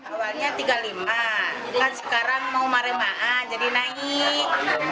awalnya tiga puluh lima dan sekarang mau maremaan jadi naik